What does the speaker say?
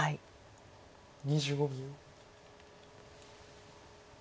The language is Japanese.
２５秒。